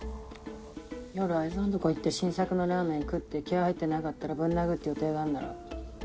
夜愛沢んとこ行って新作のラーメン食って気合い入ってなかったらぶん殴るって予定があんだろ。